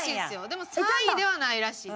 でも３位ではないらしい。